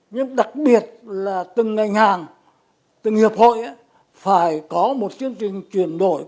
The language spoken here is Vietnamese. nhưng đặc biệt là từng ngành hàng từng hiệp hội phải có một chương trình chuyển đổi